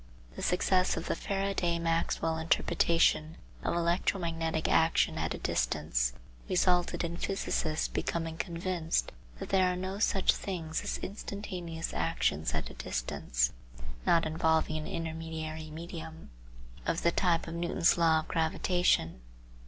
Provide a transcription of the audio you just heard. The success of the Faraday Maxwell interpretation of electromagnetic action at a distance resulted in physicists becoming convinced that there are no such things as instantaneous actions at a distance (not involving an intermediary medium) of the type of Newton's law of gravitation.